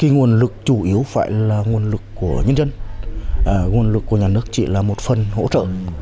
nguồn lực chủ yếu phải là nguồn lực của nhân dân nguồn lực của nhà nước chỉ là một phần hỗ trợ